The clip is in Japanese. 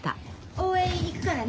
応援行くからね。